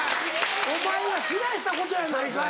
お前がし出したことやないかい。